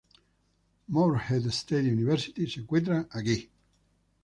Morehead State University se encuentra aquí.